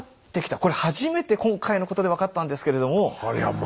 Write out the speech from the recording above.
これ初めて今回のことで分かったんですけれども。